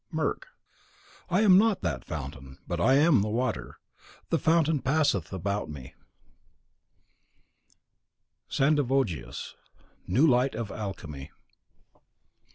Merc: I am not that fountain, but I am the water. The fountain compasseth me about. Sandivogius, "New Light of Alchymy."